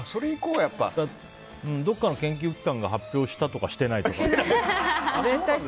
どこかの研究機関が発表したとかしてないとか。